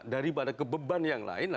daripada kebeban yang lain